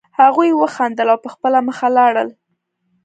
هغوی وخندل او په خپله مخه لاړل